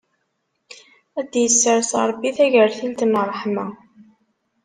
Ad d-issers Ṛebbi tagertilt n ṛṛeḥma!